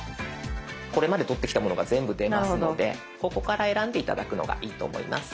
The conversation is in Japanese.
これまで撮ってきたものが全部出ますのでここから選んで頂くのがいいと思います。